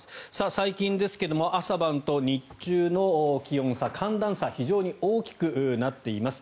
最近ですが朝晩と日中の気温差寒暖差が非常に大きくなっています。